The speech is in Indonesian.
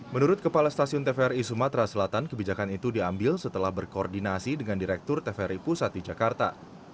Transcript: menurut kepala stasiun tvri sumatera selatan kebijakan itu diambil setelah berkoordinasi dengan direktur tvri pusat di jakarta